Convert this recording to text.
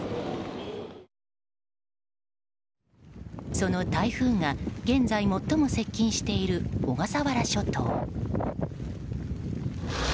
その台風が現在最も接近している小笠原諸島。